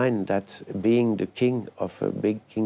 เลยให้สองพ่อกดคอมกี้